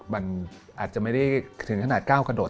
มันอาจจะไม่ได้ถึงขนาดก้าวกระโดด